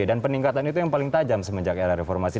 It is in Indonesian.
dan peningkatan itu yang paling tajam semenjak era reformasi